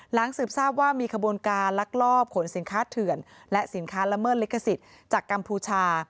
สืบทราบว่ามีขบวนการลักลอบขนสินค้าเถื่อนและสินค้าละเมิดลิขสิทธิ์จากกัมพูชา